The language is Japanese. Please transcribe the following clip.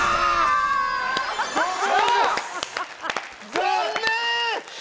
残念！